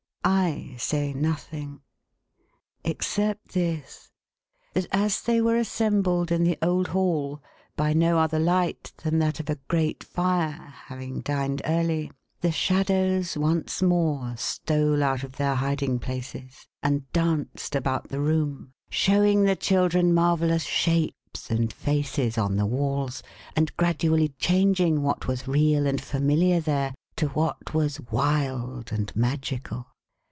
/ say nothing. — Except this. That as they were assembled in the old Hall, by no other light than that of a great fire (having dined early), the shadows once more stole out of their hiding places, and danced about the room, showing the children marvellous shapes and faces on the walls, and gradu ally changing what was real and familiar there, to what was wild and magical.